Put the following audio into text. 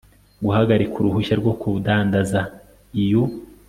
guhagarika uruhushya rwo kudandaza iyo